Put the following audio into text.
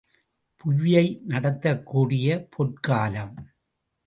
புவியை நடத்தக்கூடிய பொற்காலம்!